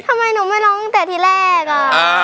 ทำไมหนูไม่ร้องตั้งแต่ทีแรก